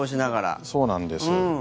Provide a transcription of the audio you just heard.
そうなんです。